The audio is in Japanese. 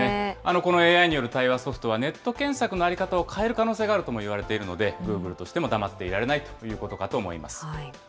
このＡＩによる対話ソフトは、ネット検索の在り方を変える可能性があるともいわれているので、グーグルとしても黙っていられないということかと思います。